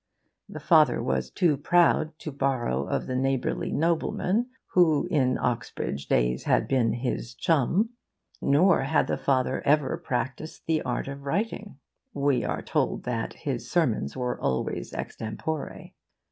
The father was too proud to borrow of the neighbourly nobleman who in Oxbridge days had been his 'chum.' Nor had the father ever practised the art of writing. (We are told that 'his sermons were always extempore.